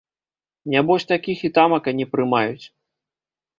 Нябось такіх і тамака не прымаюць.